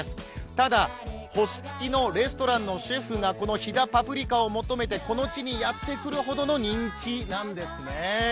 ただ、星付きのレストランのシェフが飛騨パプリカを求めてこの地にやってくるほどの人気なんですね。